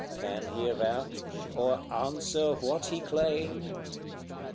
Can he avouch, or answer what he claimed?